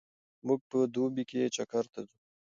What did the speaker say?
موږ په دوبي کې چکر ته ځو.